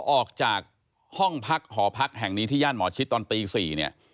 พอออกจากหอพักแห่งนี้ที่ย่านหมอชิตตอนตี๔